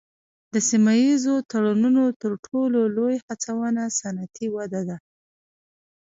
د سیمه ایزو تړونونو تر ټولو لوی هڅونه صنعتي وده ده